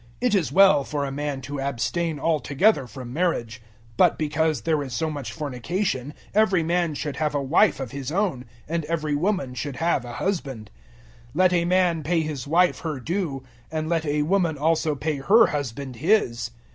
It is well for a man to abstain altogether from marriage. 007:002 But because there is so much fornication every man should have a wife of his own, and every woman should have a husband. 007:003 Let a man pay his wife her due, and let a woman also pay her husband his.